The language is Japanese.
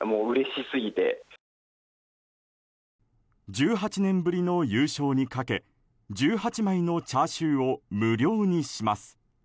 １８年ぶりの優勝にかけ１８枚のチャーシューを無料にします。